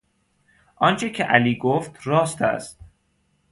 آنچه که علی گفت راست است.